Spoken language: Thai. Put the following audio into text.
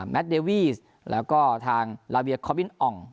เดวีสแล้วก็ทางลาเบียคอมินอ่อง